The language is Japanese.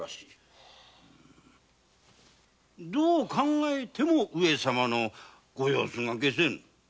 どう考えても上様のご様子が解せぬ。